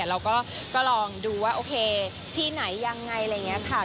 เราก็ลองดูว่าโอเคที่ไหนยังไงอะไรอย่างนี้ค่ะ